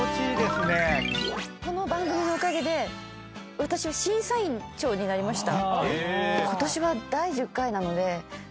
「この番組のおかげで私は審査員長になりました」